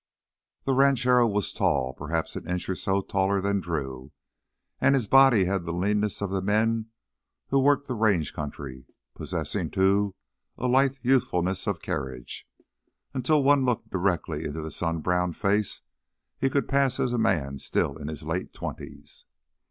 The ranchero was tall, perhaps an inch or so taller than Drew, and his body had the leanness of the men who worked the range country, possessing, too, a lithe youthfulness of carriage. Until one looked directly into his sun browned face he could pass as a man still in his late twenties.